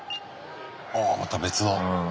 ああまた別の。